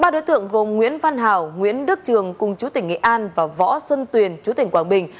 ba đối tượng gồm nguyễn văn hảo nguyễn đức trường cùng chú tỉnh nghệ an và võ xuân tuyền chú tỉnh quảng bình